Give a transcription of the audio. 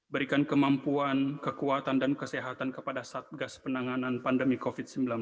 berikan kemampuan kekuatan dan kesehatan kepada satgas penanganan pandemi covid sembilan belas